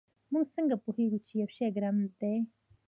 موږ څنګه پوهیږو چې یو شی ګرم دی